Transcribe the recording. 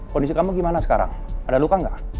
kondisi kamu gimana sekarang ada luka nggak